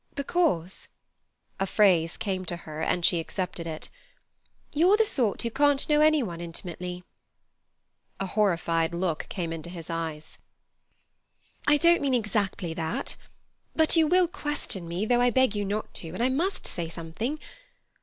"Because"—a phrase came to her, and she accepted it—"you're the sort who can't know any one intimately." A horrified look came into his eyes. "I don't mean exactly that. But you will question me, though I beg you not to, and I must say something.